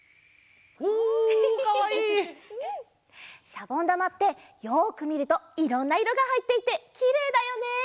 しゃぼんだまってよくみるといろんないろがはいっていてきれいだよね！